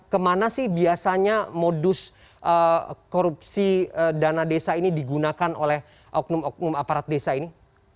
kemana sih biasanya modus korupsi dana desa ini digunakan oleh oknum oknum aparat desa ini